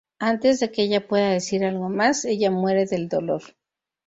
Antes de que ella pueda decir algo más, ella muere del dolor.